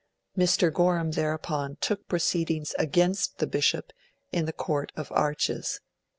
Mr. Gorham, thereupon, took proceedings against the Bishop in the Court of Arches.